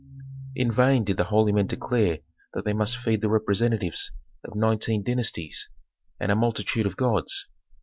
In vain did the holy men declare that they must feed the representatives of nineteen dynasties, and a multitude of gods.